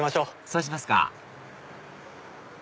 そうしますか